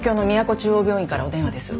中央病院からお電話です。